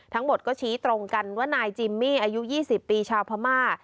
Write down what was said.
ทั้งหมดก็ชี้ตรงกันว่านายจิมมี่อายุ๒๐ปีชาวพม่า